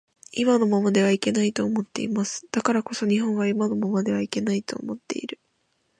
今のままではいけないと思っています。だからこそ日本は今のままではいけないと思っている